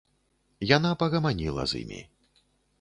Яна пагаманіла з імі.